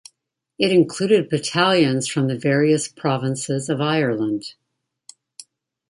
It included battalions from the various provinces of Ireland.